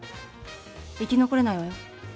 生き残れないわよ。